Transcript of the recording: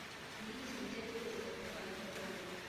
n’ikindi icyo ari cyo cyose cyatuma abantu bamurangamira.